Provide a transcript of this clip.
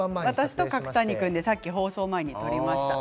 私と角谷君で放送前に撮りました。